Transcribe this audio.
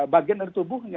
bagian dari tubuhnya